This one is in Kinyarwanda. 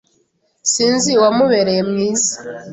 Sinzi uwamubereye mwiza.